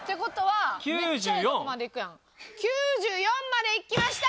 ９４？９４まで行きました！